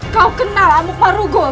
kau kenal amu kemarugul